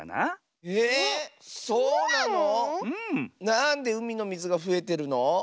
なんでうみのみずがふえてるの？